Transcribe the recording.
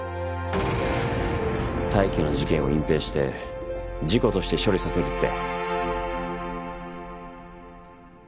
泰生の事件を隠蔽して事故として処理させるって。